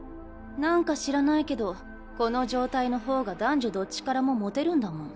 何か知らないけどこの状態の方が男女どっちからもモテるんだもん。